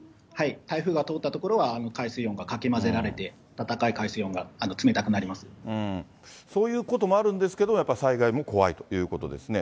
台風が通った所は、海水温がかき混ぜられて、そういうこともあるんですけども、やっぱり災害も怖いということですね。